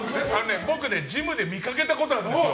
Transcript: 僕、ジムで見かけたことあるんですよ。